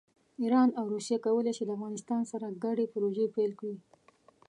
ایران او روسیه کولی شي د افغانستان سره ګډې پروژې پیل کړي.